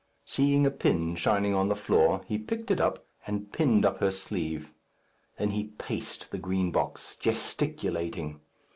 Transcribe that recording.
'" Seeing a pin shining on the floor, he picked it up and pinned up her sleeve. Then he paced the Green Box, gesticulating.